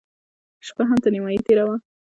شپه هم تر نيمايي تېره وه.